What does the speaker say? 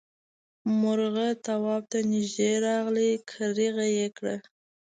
مرغه تواب ته نږدې راغی کريغه یې کړه.